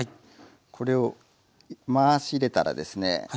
これを回し入れたらですね